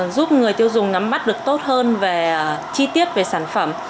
giúp người tiêu dùng ngắm mắt được tốt hơn về chi tiết về sản phẩm